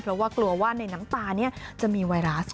เพราะว่ากลัวว่าในน้ำตานี้จะมีไวรัส